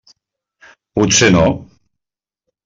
Potser no.